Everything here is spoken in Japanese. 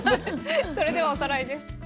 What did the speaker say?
それではおさらいです。